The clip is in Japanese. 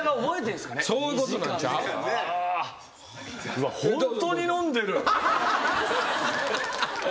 うわっホントに飲んでる！